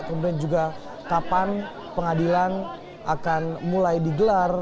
kemudian juga kapan pengadilan akan mulai digelar